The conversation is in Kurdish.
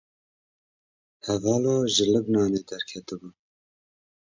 Hevalo ji Libnanê derketibû.